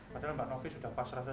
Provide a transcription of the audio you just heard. padahal mbak novi sudah pas rata